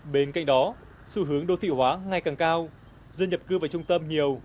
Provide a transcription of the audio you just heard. bên cạnh đó xu hướng đô thị hóa ngay càng cao dân nhập cư vào trung tâm nhiều